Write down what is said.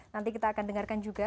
nanti kita akan dengarkan juga